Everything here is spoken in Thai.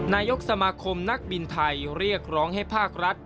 นายกสมาคมนักบินไทยเรียกร้องให้ภาครัฐ